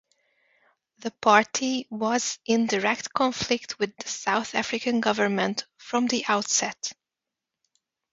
The party was in direct conflict with the South African government from the outset.